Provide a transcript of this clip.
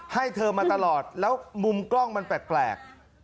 ให้เธอมาตลอดแล้วมุมกล้องมันแปลก